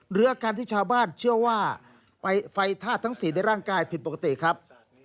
หรืออาการที่ชาวบ้านเชื่อว่าไฟธาตุทั้ง๔ในร่างกายผิดปกติครับ